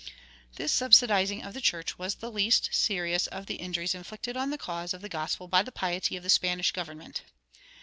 This subsidizing of the church was the least serious of the injuries inflicted on the cause of the gospel by the piety of the Spanish government.